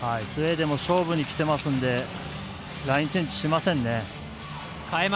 スウェーデンも勝負にきていますのでラインチェンジしませんね。